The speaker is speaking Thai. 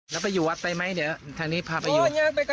แล้วไปอยู่วัดไปไหมเดี๋ยวทางนี้พาไปอยู่